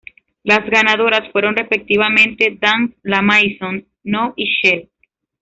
Las ganadoras fueron, respectivamente, Dans La Maison, No y Shell.